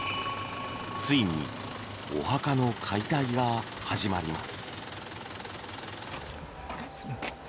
ついにお墓の解体が始まります。